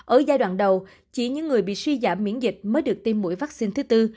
ở giai đoạn đầu chỉ những người bị suy giảm miễn dịch mới được tiêm mũi vaccine thứ tư